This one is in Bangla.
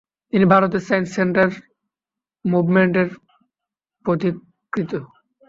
তিনি ভারতের সায়েন্স সেন্টার মুভমেন্ট এর পথিকৃৎ।